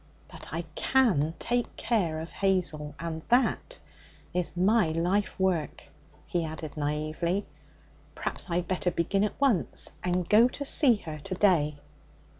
But I can take care of Hazel. And that is my life work,' he added naively, 'perhaps I'd better begin at once, and go to see her to day.'